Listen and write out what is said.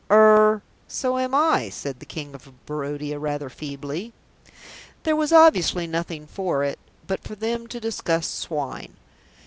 "Er so am I," said the King of Barodia, rather feebly. There was obviously nothing for it but for them to discuss swine.